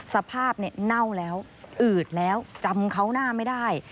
สภาพเน่าแล้วอืดแล้วจำเขาหน้าไม่ได้